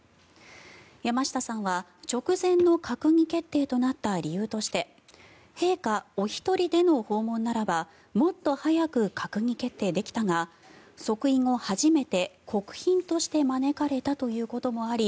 山下さんは直前の閣議決定となった理由として陛下お一人での訪問ならばもっと早く閣議決定できたが即位後初めて国賓として招かれたということもあり